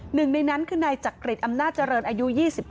หนึ่งในนั้นคือนายจักริจอำนาจเจริญอายุ๒๗